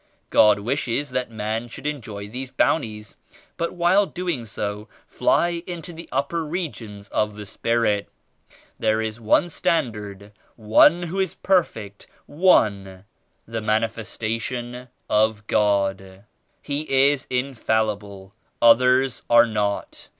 God wishes that man should enjoy these Bounties but while doing so, fly into the upper regions of the Spirit There is one Standard; One who is perfect; One, the Mani festation of God. He is infallible; others are not.